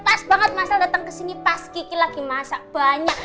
pas banget masal datang kesini pas kiki lagi masak banyak